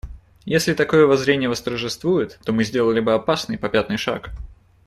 Если такое воззрение восторжествует, то мы сделали бы опасный попятный шаг.